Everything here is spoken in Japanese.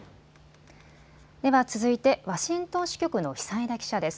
では続いてワシントン支局の久枝記者です。